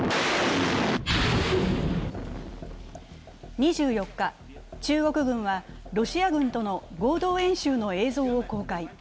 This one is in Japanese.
２４日、中国軍はロシア軍との合同演習の映像を公開。